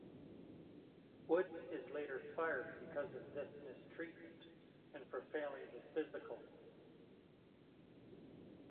Woods is later fired because of this mistreatment and for failing his physical.